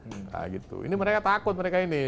nah gitu ini mereka takut mereka ini